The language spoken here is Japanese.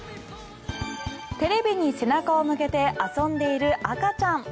テレビに背中を向けて遊んでいる赤ちゃん。